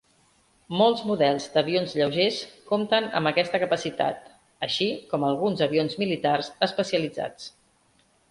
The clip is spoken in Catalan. Molts models d'avions lleugers compten amb aquesta capacitat, així com alguns avions militars especialitzats.